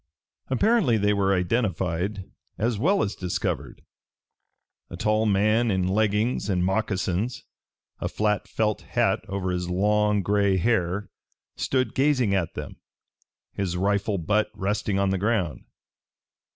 Apparently they were identified as well as discovered. A tall man in leggings and moccasions, a flat felt hat over his long gray hair, stood gazing at them, his rifle butt resting on the ground.